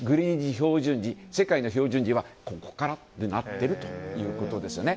世界の標準時はここからとなっているということですね。